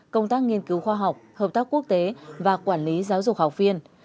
công tác nghiên cứu khoa học hợp tác quốc tế và quản lý giáo dục học viên